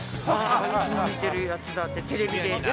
いつも見てるやつだって、テレビで。